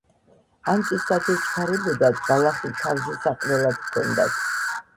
ან კი სად ეჩქარებოდათ, ბალახი თავზესაყრელად ჰქონდათ.